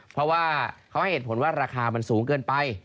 เพราะว่าเขาให้เหตุผลว่าราคามันสูงเกินไป